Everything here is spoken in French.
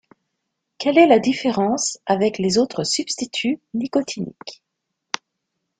Quelle est la différence avec les autres substituts nicotiniques ?